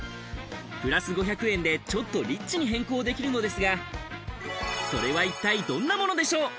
プラス５００円で、ちょっとリッチに変更できるのですが、それは一体どんなものでしょう？